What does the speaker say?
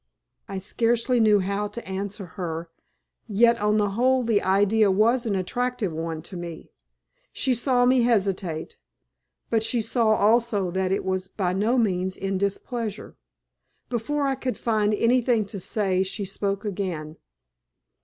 I scarcely knew how to answer her, yet on the whole the idea was an attractive one to me. She saw me hesitate, but she saw also that it was by no means in displeasure. Before I could find anything to say she spoke again.